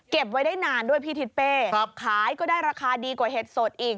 ไว้ได้นานด้วยพี่ทิศเป้ขายก็ได้ราคาดีกว่าเห็ดสดอีก